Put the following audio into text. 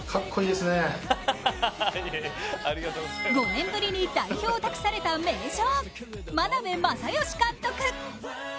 ５年ぶりに代表を託された名将、眞鍋政義監督。